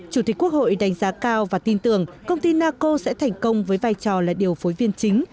chủ tịch quốc hội đánh giá cao và tin tưởng công ty naco sẽ thành công với vai trò là điều phối viên chính